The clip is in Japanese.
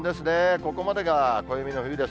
ここまでが暦の冬です。